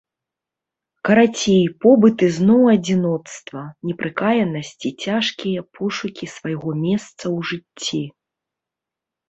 Карацей, побыт і зноў адзіноцтва, непрыкаянасць і цяжкія пошукі свайго месца ў жыцці.